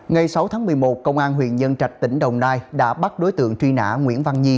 ngày sáu tháng một mươi một công an huyện nhân trạch tỉnh đồng nai đã bắt đối tượng truy nã nguyễn văn nhi